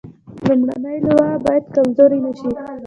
لومړنۍ لواء باید کمزورې نه شي.